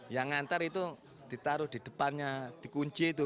setelah itu ditaruh di depannya di kunci itu